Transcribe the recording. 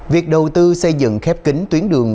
việc đầu tư xây dựng khép kính tuyến đường